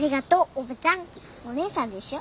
お姉さんでしょ？